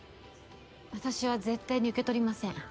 私は絶対に受け取りません。